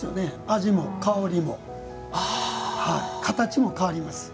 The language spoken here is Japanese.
味も香りも形も変わります。